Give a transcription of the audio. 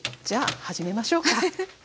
じゃあ始めましょうか。